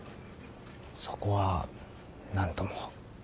そこは何とも。